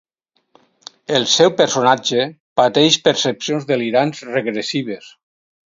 El seu personatge pateix percepcions delirants regressives.